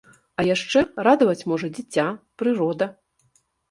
А яшчэ радаваць можа дзіця, прырода.